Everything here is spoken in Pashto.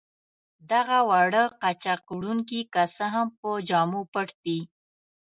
دغه واړه قاچاق وړونکي که څه هم په جامو پټ دي.